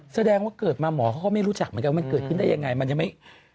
แสดงว่าเกิดมาหมอก็ไม่รู้จักว่ามันเกิดขึ้นได้ยังไง